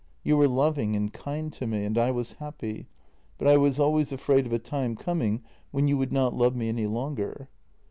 You were loving and kind to me, and I was happy, but I was always afraid of a time coming when you would not love me any longer."